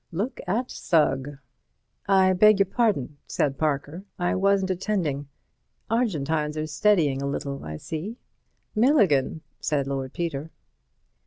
Look at Sugg." "I beg your pardon," said Parker, "I wasn't attending. Argentines are steadying a little, I see." "Milligan," said Lord Peter.